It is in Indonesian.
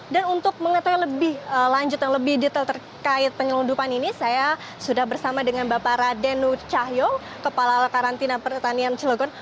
dan untuk mengetahui lebih lanjut dan lebih detail terkait penyelundupan ini saya sudah bersama dengan bapak radenu cahyong kepala karantina pertanian cilogon